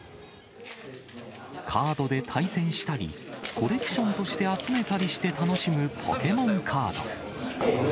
カードで対戦したり、コレクションとして集めたりして楽しむポケモンカード。